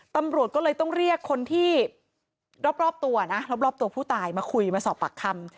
ตำรวจก็เลยต้องเรียกคนที่รอบตัวนะรอบตัวผู้ตายมาคุยมาสอบปากคำ